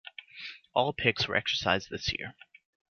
All picks were exercised this year.